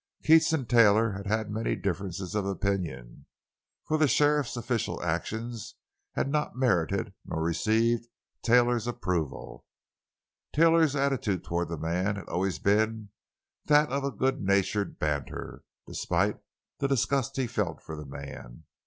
Keats and Taylor had had many differences of opinion, for the sheriff's official actions had not merited nor received Taylor's approval. Taylor's attitude toward the man had always been that of good natured banter, despite the disgust he felt for the man.